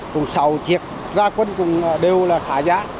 cũng sáu chiếc ra quân cũng đều là khá giá